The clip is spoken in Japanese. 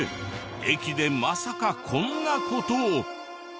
駅でまさかこんな事を！